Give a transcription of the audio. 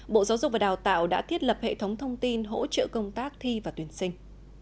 bộ giáo dục và đào tạo đã thiết lập hệ thống thông tin hỗ trợ công tác thi và tuyển sinh